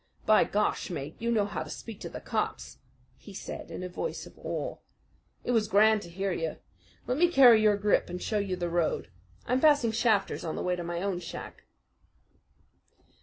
"By Gar, mate! you know how to speak to the cops," he said in a voice of awe. "It was grand to hear you. Let me carry your grip and show you the road. I'm passing Shafter's on the way to my own shack."